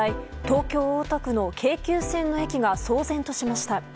東京・大田区の京急線の駅が騒然としました。